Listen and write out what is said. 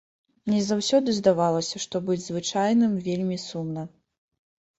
Мне заўсёды здавалася, што быць звычайным вельмі сумна.